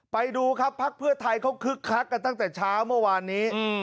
ไปดูครับภักดิ์เพื่อไทยเขาคึกคักกันตั้งแต่เช้าเมื่อวานนี้